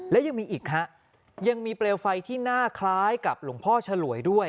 และยังมีอีกฮะยังมีเปลวไฟที่หน้าคล้ายกับหลวงพ่อฉลวยด้วย